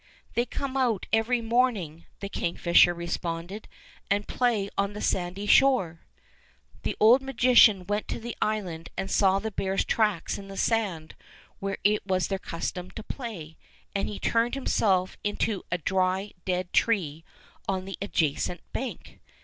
^^"" They come out every morning," the king fisher responded, "and play on the sandy shore." The old magician went to the island and saw the bears' tracks in the sand where it was their custom to play, and he turned himself into a dry dead tree on the ad jacent bank.